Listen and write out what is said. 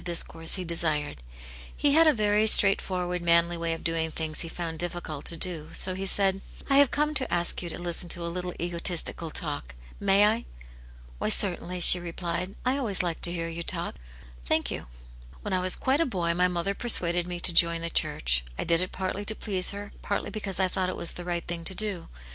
d\s. coinsQ he desired. HeViad a v^x^ ^Xx^v^^Jv^v^ ^^^^ 198 Aunt Janets Hero. manly way of doing things he found it difficult to do, so he said, —" I have come to ask you to listen to a little ego tistical talk : may I ?"" Why, certainly," she replied. " I always liked to hear you talk." " Thank you. When I was quite a boy my mother, persuaded me to join the church ; I did it partly to please her, partly because I thought it was the right thing to do.